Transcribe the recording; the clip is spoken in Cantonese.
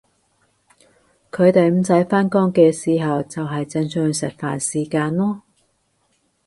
佢哋唔使返工嘅时候就係正常食飯時間囉